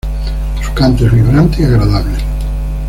Su canto es vibrante y agradable.